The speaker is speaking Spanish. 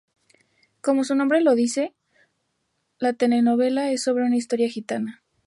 Como su nombre lo dice la telenovela es sobre una historia gitana.